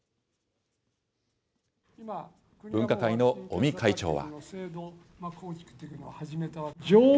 分科会の尾身会長は。